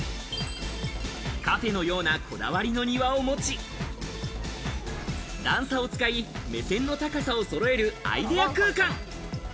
カフェのようなこだわりの庭を持ち、段差を使い、目線の高さを揃えるアイデア空間。